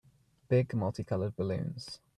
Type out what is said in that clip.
Big multicolored balloons.